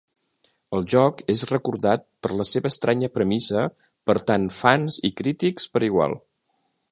El joc és recordat per la seva estranya premissa per tant fans i crítics per igual.